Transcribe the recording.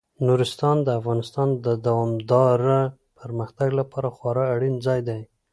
نورستان د افغانستان د دوامداره پرمختګ لپاره خورا اړین ځای دی.